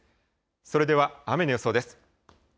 それでは雨の予想です。